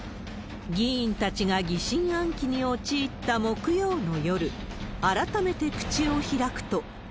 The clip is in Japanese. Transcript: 議員たちが疑心暗鬼に陥った木曜の夜、改めて口を開くと。